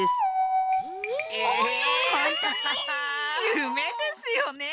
ゆめですよね。